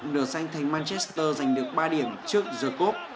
nửa sanh thành manchester giành được ba điểm trước the coupe